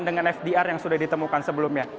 dengan fdr yang sudah ditemukan sebelumnya